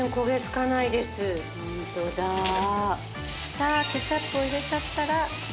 さあケチャップを入れちゃったら。